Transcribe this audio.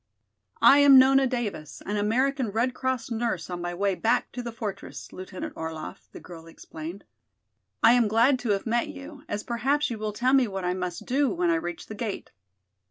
"I am Nona Davis, an American Red Cross nurse on my way back to the fortress, Lieutenant Orlaff," the girl explained. "I am glad to have met you, as perhaps you will tell me what I must do when I reach the gate."